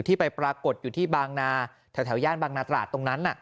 ไปปรากฏอยู่ที่บางนาแถวย่านบางนาตราดตรงนั้น